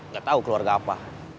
gak tau keluarga apa